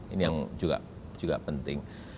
ini yang juga penting